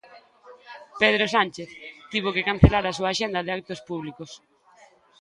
Pedro Sánchez tivo que cancelar a súa axenda de actos públicos.